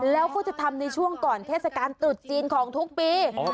แล้วก็จะทำในช่วงก่อนเทศกาลตรุษจีนของทุกปี